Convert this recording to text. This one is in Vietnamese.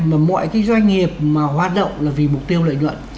mà mọi cái doanh nghiệp mà hoạt động là vì mục tiêu lợi nhuận